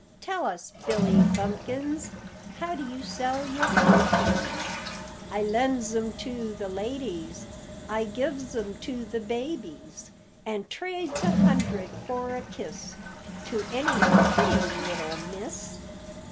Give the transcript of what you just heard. Tell us, Billy Bumpkins, How d' you sell your pumpkins? "I lends 'em to the ladies, I gives 'em to the babies, An' trades a hundred for a kiss To any pretty little miss."